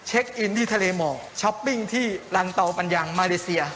อินที่ทะเลหมอกช้อปปิ้งที่ลันเตาปัญญังมาเลเซีย